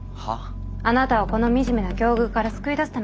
あなたをこの惨めな境遇から救い出すために私は来たの。